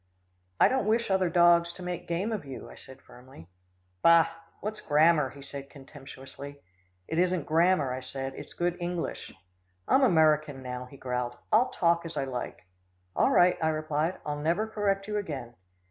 "I don't wish other dogs to make game of you," I said firmly. "Bah! what's grammar," he said contemptuously. "It isn't grammar," I said, "it's good English." "I'm American now," he growled. "I'll talk as I like." "All right," I replied, "I'll never correct you again."